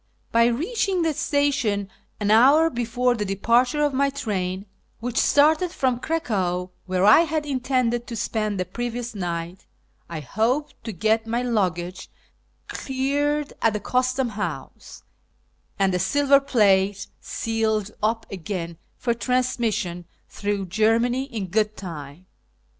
By reaching the station an hour before the departure of 5So A YEAR AMONGST THE PERSIANS the train (which started from Cracow, where I had intended to spend tlie in evious night), I hoped to get my higgage cleared at the Cnstom House, and the silver plate sealed np again for transmission through Germany in good time.